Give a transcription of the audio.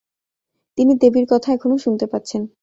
তিনি দেবীর কথা এখনো শুনতে পাচ্ছেন।